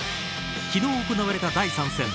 昨日行われた第３戦。